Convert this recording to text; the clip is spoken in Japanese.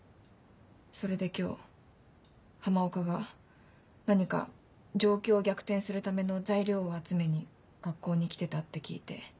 それで今日浜岡が何か状況を逆転するための材料を集めに学校に来てたって聞いて。